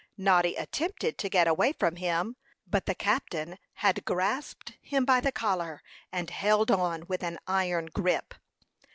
Noddy attempted to get away from him, but the captain had grasped him by the collar, and held on with an iron grip.